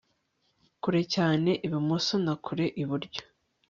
Kure cyane ibumoso na kure iburyo